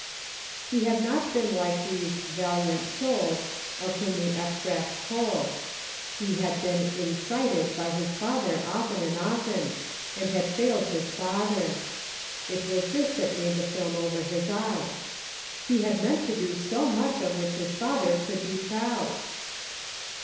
He had not been like these "valiant souls" of whom the extract told ; he had been " incited " by his father often and often, and he had failed his father ! It was this that made the film over his eyes. He had meant to do so much of which his father could be proud.